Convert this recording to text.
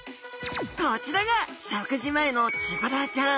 こちらが食事前のチゴダラちゃん。